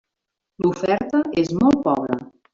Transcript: L'oferta és molt pobra.